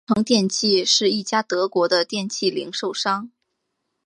万得城电器是一家德国的电器零售商。